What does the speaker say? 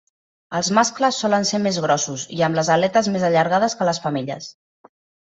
Els mascles solen ser més grossos i amb les aletes més allargades que les femelles.